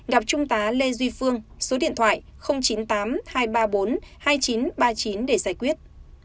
gặp trung tá lê duy phương số điện thoại chín mươi tám hai trăm ba mươi bốn hai nghìn chín trăm ba mươi chín để giải quyết